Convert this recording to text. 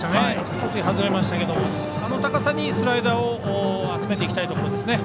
少し外れましたけどもあの高さにスライダーを集めていきたいところですね。